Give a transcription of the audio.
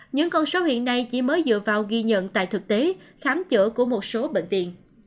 những con số hiện nay chỉ mới dựa vào ghi nhận tại thực tế khám chữa của một số bệnh viện